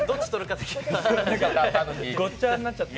ごっちゃになっちゃって。